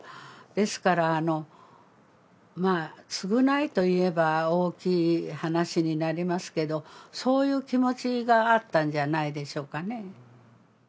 ですから、償いといえば大きい話になりますけど、そういう気持ちがあったんじゃないでしょうかね。